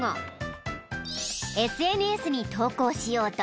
［ＳＮＳに投稿しようと］